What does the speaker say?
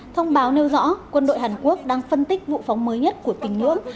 thông báo nêu rõ quân đội hàn quốc đang phân tích vụ phóng mới nhất của tình nhưỡng